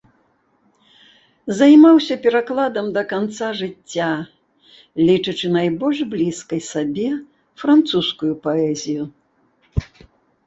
Займаўся перакладам да канца жыцця, лічачы найбольш блізкай сабе французскую паэзію.